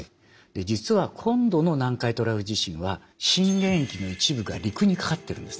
実は今度の南海トラフ地震は震源域の一部が陸にかかってるんです。